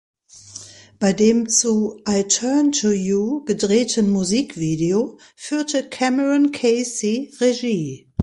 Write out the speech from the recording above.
Bei dem zu "I Turn to You" gedrehten Musikvideo führte Cameron Casey Regie.